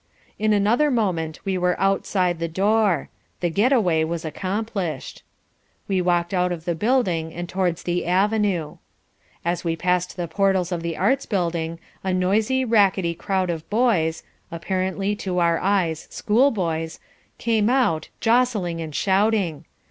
In another moment we were outside the door. The get away was accomplished. We walked out of the building and towards the avenue. As we passed the portals of the Arts Building, a noisy, rackety crowd of boys evidently, to our eyes, schoolboys came out, jostling and shouting.